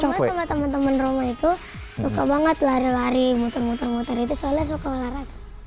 soalnya roma sama temen temen roma itu suka banget lari lari muter muter itu soalnya suka olahraga